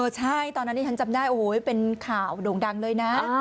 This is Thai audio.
ใช่ตอนนั้นที่ฉันจำได้โอ้โหเป็นข่าวโด่งดังเลยนะ